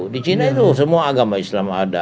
di cina itu semua agama islam ada